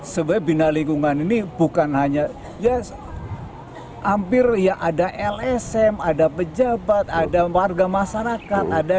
sebenarnya bina lingkungan ini bukan hanya ya hampir ya ada lsm ada pejabat ada warga masyarakat